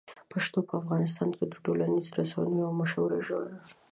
پښتو په افغانستان کې د ټولنیزو رسنیو یوه مشهوره ژبه ده.